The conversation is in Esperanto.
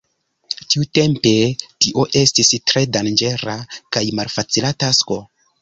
Tiutempe tio estis tre danĝera kaj malfacila tasko.